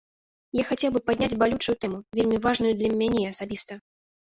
Я хацеў бы падняць балючую тэму, вельмі важную для мяне асабіста.